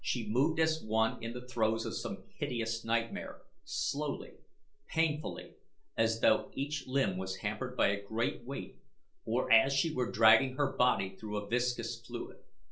She moved as one in the throes of some hideous nightmare slowly, painfully, as though each limb was hampered by a great weight, or as she were dragging her body through a viscous fluid.